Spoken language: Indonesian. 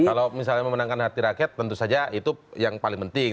kalau misalnya memenangkan hati rakyat tentu saja itu yang paling penting